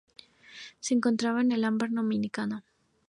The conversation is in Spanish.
Se encontraba en el Ámbar dominicano.